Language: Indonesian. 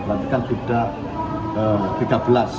berarti kan sudah tiga belas